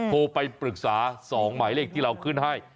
โทรไปปรึกษา๒หมายเลขที่เราขึ้นให้